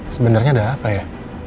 sebenernya ada apa ya